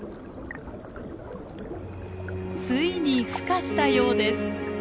ついにふ化したようです。